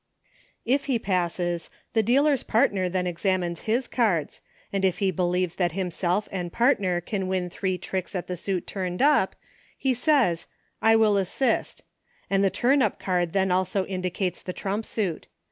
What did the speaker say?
If he passes, the dealer's partner then ex amines his cards, and if he believes that him< self and partner can win three tricks at the suit turned up, he says, "I will assist," and the turn up card then also indicates the trump suit.